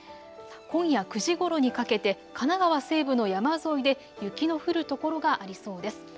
今夜９時ごろにかけて神奈川西部の山沿いで雪の降る所がありそうです。